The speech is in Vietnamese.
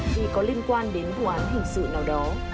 vì có liên quan đến vụ án hình sự nào đó